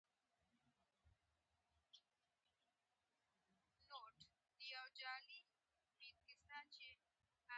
له اتو ساعتونو څخه یې څلور ساعته د ځان لپاره کول